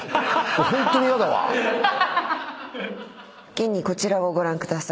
現にこちらをご覧ください。